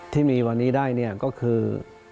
ที่มีวันนี้ได้ก็คือ